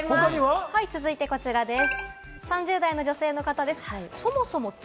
続いてこちらです。